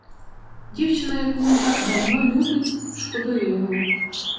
Дівчина, яку він так давно любить, шкодує його.